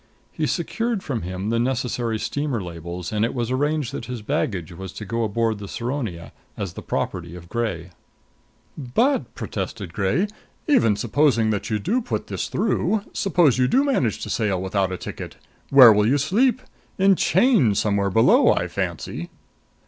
He secured from him the necessary steamer labels and it was arranged that his baggage was to go aboard the Saronia as the property of Gray. "But," protested Gray, "even suppose you do put this through; suppose you do manage to sail without a ticket where will you sleep? In chains somewhere below, I fancy."